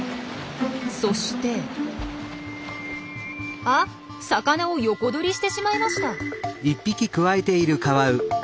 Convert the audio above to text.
そしてあっ魚を横取りしてしまいました！